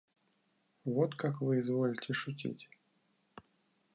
Вот как вы изволите шутить.